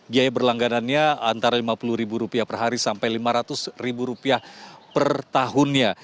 biaya berlangganannya antara lima puluh per hari sampai lima ratus ribu rupiah per tahunnya